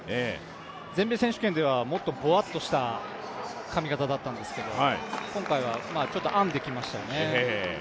全米選手権では、もっとぼわっとした髪形だったんですけど今回は編んできましたよね。